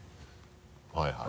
はいはい。